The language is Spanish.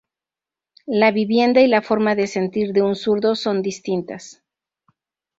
La vivienda y la forma de sentir de un zurdo son distintas.